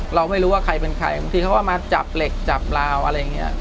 เราไม่รู้ว่าใครเป็นใครบางทีเขาก็มาจับเหล็กจับลาวอะไรอย่างนี้